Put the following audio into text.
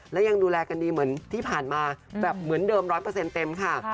และยังดูแลกันดีเหมือนที่ผ่านมาเหมือนเดิมร้อยเปอร์เซ็นต์เต็มค่ะ